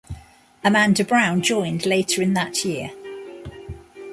Amanda Brown joined later in that year.